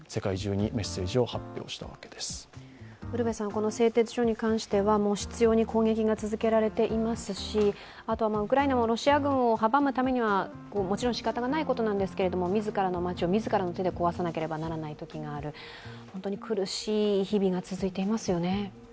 この製鉄所に関しては執ように攻撃が続けられていますしあとは、ウクライナもロシア軍を阻むためにはもちろんしかたがないことなんですけれども自らの街を自らの手で壊さなければならないときがある、本当に苦しい日々が続いていますよね。